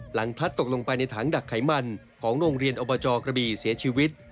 พลัดตกลงไปในถังดักไขมันของโรงเรียนอบจกระบี่เสียชีวิต